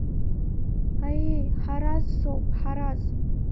Аиеи, Ҳараз соуп, Ҳараз!